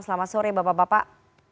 selamat sore bapak bapak